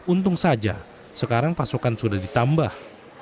untung saja sekarang pasokan sudah ditambah